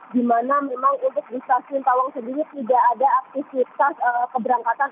di mana memang untuk di stasiun tawang sendiri tidak ada aktivitas keberangkatan